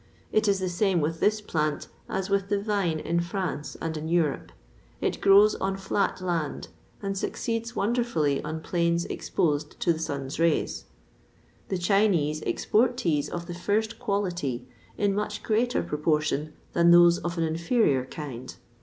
It is the same with this plant as with the vine in France and in Europe; it grows on flat land, and succeeds wonderfully on plains exposed to the sun's rays. The Chinese export teas of the first quality in much greater proportion than those of an inferior kind.